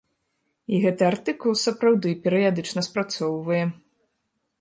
І гэты артыкул, сапраўды, перыядычна спрацоўвае.